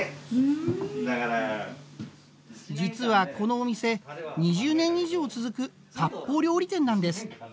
実はこのお店２０年以上続く割烹料理店なんです。